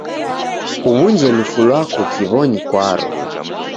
Kuw'unje lufu lwako kiw'onyi kwaro.